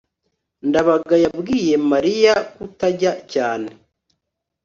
ndabaga yabwiye mariya kutajya cyane